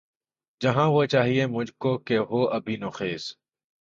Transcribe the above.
جہاں وہ چاہیئے مجھ کو کہ ہو ابھی نوخیز